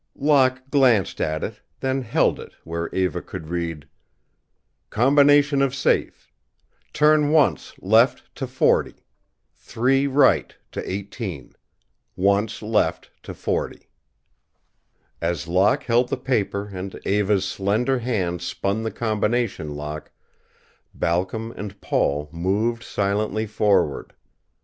Locke glanced at it, then held it where Eva could read: Combination of Safe Turn once left to 40 Three right to 18 Once left to 40 As Locke held the paper and Eva's slender hand spun the combination lock, Balcom and Paul moved silently forward.